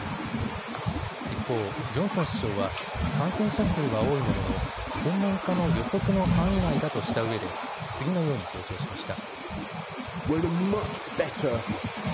一方、ジョンソン首相は感染者数は多いものの専門家の予測の範囲内だとしたうえで次のように強調しました。